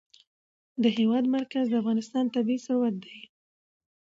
د هېواد مرکز د افغانستان طبعي ثروت دی.